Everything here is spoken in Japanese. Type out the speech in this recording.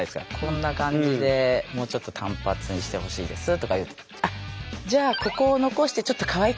「こんな感じでもうちょっと短髪にしてほしいです」とか言うと要らないんですね